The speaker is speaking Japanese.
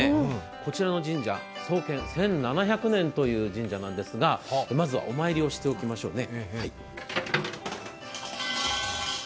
こちらの神社、創建１７００年という神社なんですが、まずはお参りをしておきましょうね。